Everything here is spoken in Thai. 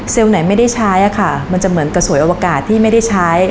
เซลล์ไหนไม่ได้ใช้มันจะเหมือนกระสวยอวกาศที่ไม่ได้ใช้